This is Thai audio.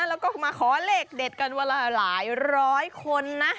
แล้วก็มาขอเลขเด็ดกันวันละหลายร้อยคนนะ